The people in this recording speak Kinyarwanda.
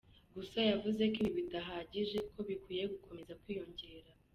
Gusa yavuze ko ibi bidahagije kuko bikwiye gukomeza kwiyongera.